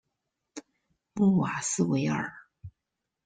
穆瓦斯维尔。